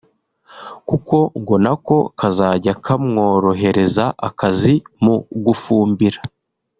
kuko ngo nako kazajya kamworohereza akazi mu gufumbira